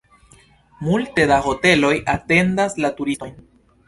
Multe da hoteloj atendas la turistojn.